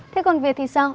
thế còn về thì sao